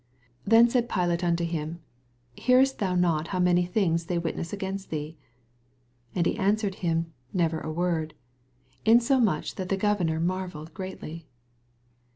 18 Then said Pilate unto him, Hear cst thou not how many things they witness against thee I 14 Ana he answered him to never i word ; insomuch that the governor marvelled greatly.